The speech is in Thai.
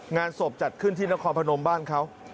งานศพจัดขึ้นที่นครพนมบ้านเขา